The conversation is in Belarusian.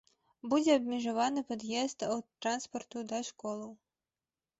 Будзе абмежаваны пад'езд аўтатранспарту да школаў.